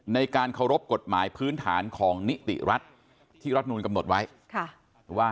ในการเคารพกฎหมายพื้นฐานของนิติรัฐที่รัฐมนุนกำหนดไว้ว่า